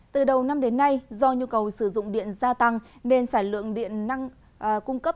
từ đầu năm đến nay do nhu cầu sử dụng điện gia tăng nên sản lượng điện năng cung cấp